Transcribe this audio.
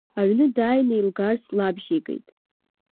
Аҩны дааины илгарц лабжьеигеит.